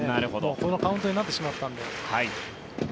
このカウントになってしまったので。